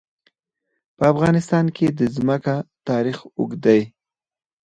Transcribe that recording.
په افغانستان کې د ځمکه تاریخ اوږد دی.